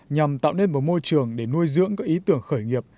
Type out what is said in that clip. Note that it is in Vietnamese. nhằm tạo nên một môi trường để nuôi dưỡng các ý tưởng khởi nghiệp